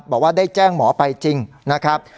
บอกว่าได้แจ้งหมอไปจริงนะครับ